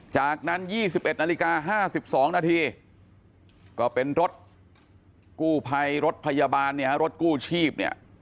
จากนั้น๒๑นาฬิกา๕๒นาทีก็เป็นรถกู้ภัยรถพยาบาลรถกู้ชีพ